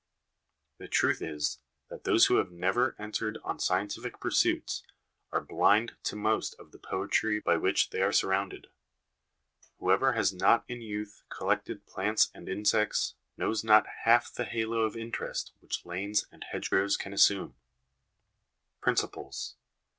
The truth is, that those who have never entered on scientific pursuits are blind to most of the poetry by which 266 HOME EDUCATION they are surrounded. Whoever has not in youth collected plants and insects, knows not half the halo of interest which lanes and hedgerows can assume." Principles.